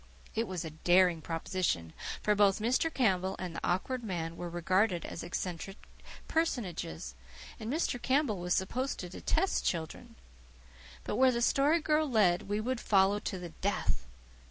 It was a daring proposition, for both Mr. Campbell and the Awkward Man were regarded as eccentric personages; and Mr. Campbell was supposed to detest children. But where the Story Girl led we would follow to the death.